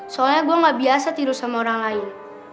soalnya gue gak biasa tidur sama orang lain